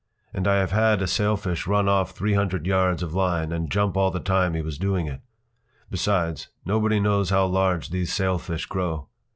And I have had a sailfish run off three hundred yards of line and jump all the time he was doing it. Besides, nobody knows how large these sailfish grow.